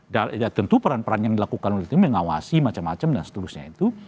dan tentu peran peran yang dilakukan oleh tim mengawasi macam macam dan seterusnya itu